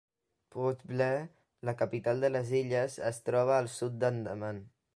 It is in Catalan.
Port Blair, la capital de les illes, es troba al sud d'Andaman.